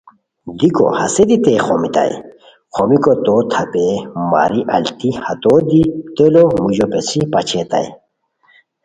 دیکو ہسے دی تئے خومیتائے، خومیکو تو تھیپی ماری التی ہتو دی تیلو موژو پیڅھی پاچیتائے